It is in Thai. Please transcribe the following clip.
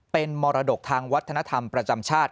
เป็นมรดกทางวัฒนธรรมประจำชาติ